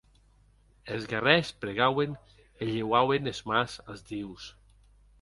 Es guerrèrs pregauen e lheuauen es mans as dius.